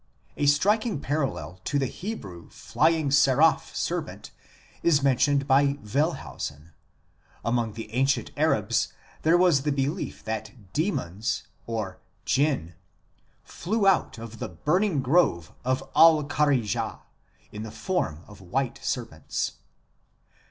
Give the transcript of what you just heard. A striking parallel to the Hebrew flying seraph serpent is mentioned by Wellhausen 2 ; among the ancient Arabs there was the belief that demons (Jinn) flew out of the burning grove of al Quraija in the form of white serpents.